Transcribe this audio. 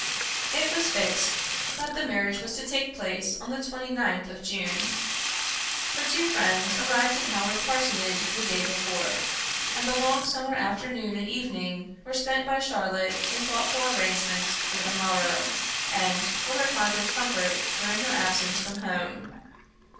It was fixed that the marriage was to take place on the 29th of June. Her two friends arrived at Haworth Parsonage the day before; and the long summer afternoon and evening were spent by Charlotte in thoughtful arrangements for the morrow, and for her father's comfort during her absence from home.